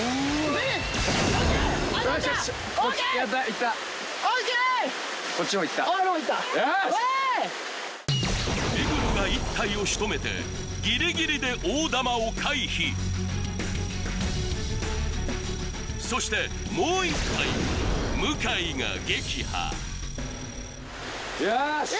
目黒が１体をしとめてギリギリで大玉を回避そしてもう１体は向井が撃破よし！